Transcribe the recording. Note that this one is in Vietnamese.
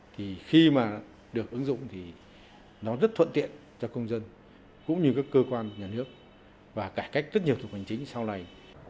thì khi mà được ứng dụng thì nó rất thuận tiện cho công dân cũng như các cơ quan nhà nước và cải cách rất nhiều thủ tục hành chính sau này